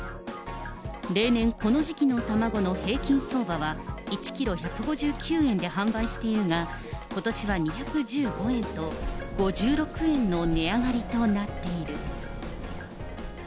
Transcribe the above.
例年、この時期の卵の平均相場は、１キロ１５９円で販売しているが、ことしは２１５円と、５６円の値上がりとなっている。